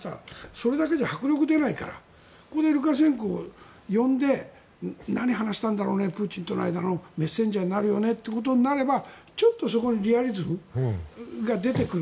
それだけじゃ迫力が出ないからここでルカシェンコを呼んで何話したんだろうねプーチンとの間のメッセンジャーになるよねということでちょっとそこにリアリズムが出てくる。